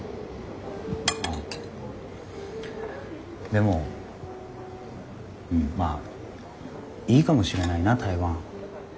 でもまあいいかもしれないな台湾。